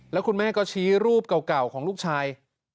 แล้วคุณแม่ก็ชี้รูปเก่าของลูกชาย